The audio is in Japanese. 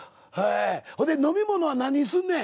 ほんで飲み物は何にすんねん。